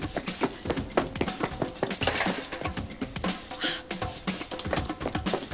あっ。